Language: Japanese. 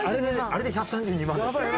あれで１３２万だよ。